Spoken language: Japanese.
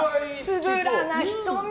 つぶらな瞳！